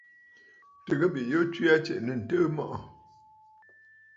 Tɨgə bìꞌiyu tswe aa tsiꞌì nɨ̂ ǹtɨɨ mɔꞌɔ̀?